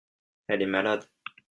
Elle est malade.